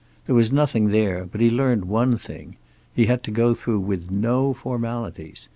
There was nothing there, but he learned one thing. He had to go through with no formalities.